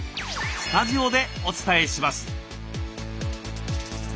スタジオでお伝えします。